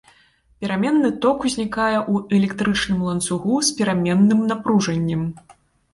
Пераменны ток ўзнікае ў электрычным ланцугу з пераменным напружаннем.